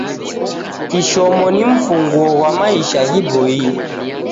Kishomo ni mfunguo ghwa maisha ghiboie